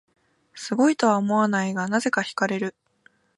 すごいとは思わないが、なぜか惹かれる